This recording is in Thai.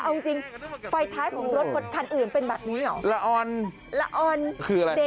เอาจริงจริงไฟท้ายของรถคันอื่นเป็นแบบนี้เหรอละออนละออนคืออะไร